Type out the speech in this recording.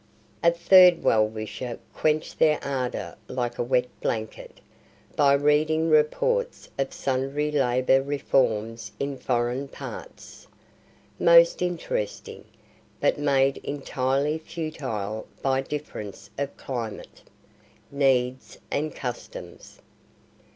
A third well wisher quenched their ardor like a wet blanket, by reading reports of sundry labor reforms in foreign parts; most interesting, but made entirely futile by differences of climate, needs, and customs.